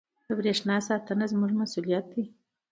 • د برېښنا ساتنه زموږ مسؤلیت دی.